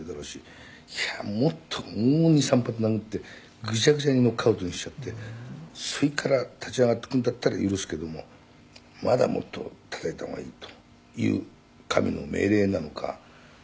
「いやもっともう２３発殴ってグシャグシャにノックアウトにしちゃってそれから立ち上がってくるんだったら許すけどもまだもっとたたいた方がいいという神の命令なのか」